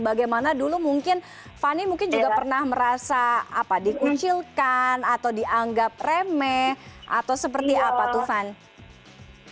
bagaimana dulu mungkin fani juga pernah merasa apa dikucilkan atau dianggap remeh atau seperti apa tuh fani